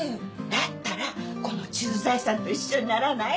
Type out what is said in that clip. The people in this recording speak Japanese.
だったらこの駐在さんと一緒にならない？